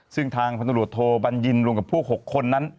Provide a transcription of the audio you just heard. ซึ่งทางพันธุรกิจโทบัญญินรวมกับพวก๖คนนั้น